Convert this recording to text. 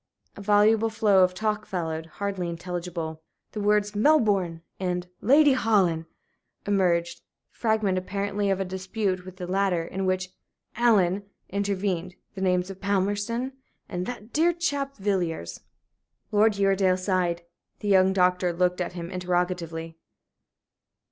A voluble flow of talk followed hardly intelligible. The words "Melbourne" and "Lady Holland" emerged the fragment, apparently, of a dispute with the latter, in which "Allen" intervened the names of "Palmerston" and "that dear chap, Villiers." Lord Uredale sighed. The young doctor looked at him interrogatively.